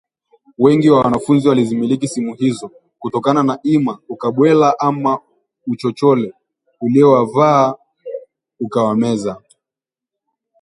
Wengi wa wanafunzi walizimiliki simu hizo kutokana na ima ukabwela ama uchochole uliowavaa ukawameza